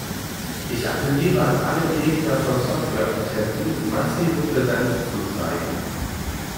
Ich appelliere an alle Gegner von Softwarepatenten, massive Präsenz zu zeigen.